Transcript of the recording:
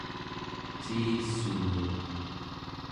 ciissuun